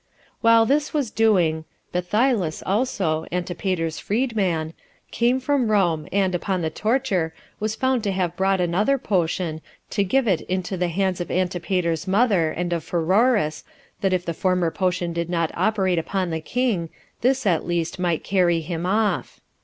3. While this was doing, Bathyllus also, Antipater's freed man, came from Rome, and, upon the torture, was found to have brought another potion, to give it into the hands of Antipater's mother, and of Pheroras, that if the former potion did not operate upon the king, this at least might carry him off.